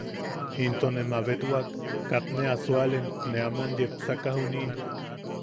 Into ne mabetwak katne a sualen ne aman yepsaka juni’i.